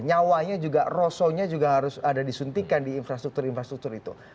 nyawanya juga rosonya juga harus ada disuntikan di infrastruktur infrastruktur itu